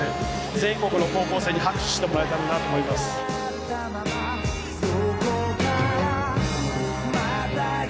全国の高校生に拍手してもらえたらと思います。